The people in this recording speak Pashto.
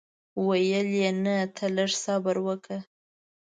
ویل یې نه ته لږ صبر وکړه.